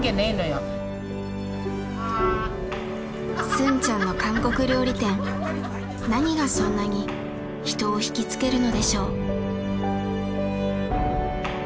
スンちゃんの韓国料理店何がそんなに人を惹きつけるのでしょう。